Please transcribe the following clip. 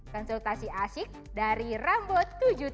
konsultasi asik dari rambut tujuh puluh tujuh